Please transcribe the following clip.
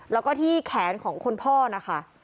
แล้วก็ที่แขนของคนพ่อนะคะ